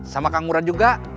sama kangguran juga